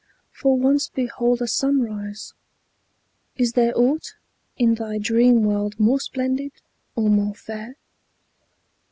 For once behold a sunrise. Is there aught In thy dream world more splendid, or more fair?